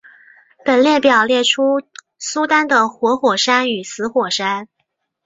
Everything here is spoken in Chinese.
本列表列出苏丹的活火山与死火山。